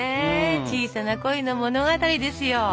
小さな恋の物語ですよ。